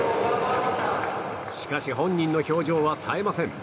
しかし本人の表情はさえません。